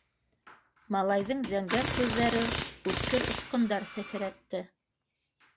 - Малайҙың зәңгәр күҙҙәре үткер осҡондар сәсрәтте.